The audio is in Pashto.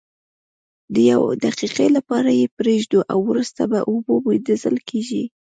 د یوې دقیقې لپاره یې پریږدو او وروسته په اوبو مینځل کیږي.